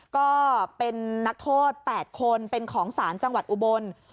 ก็เป็นนักโทษ๘คนเป็นของศาลจังหวัดอุบล